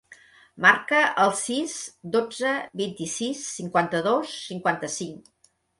Marca el sis, dotze, vint-i-sis, cinquanta-dos, cinquanta-cinc.